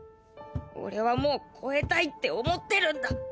俺はもう超えたいって思ってるんだ！